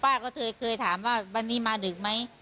ป้าก็เคยถามว่าวันนี้มาดึกไหม